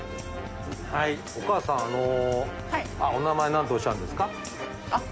お母さんあのお名前なんておっしゃるんですか？